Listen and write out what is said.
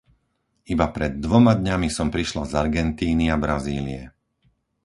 Iba pred dvoma dňami som prišla z Argentíny a Brazílie.